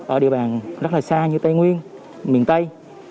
ở địa bàn rất là xa như tây nguyên miền tây